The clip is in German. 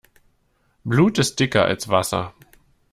Blut ist dicker als Wasser.